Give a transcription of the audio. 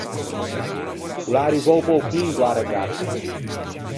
O l’é arrivou pe-o chinto a-a regatta.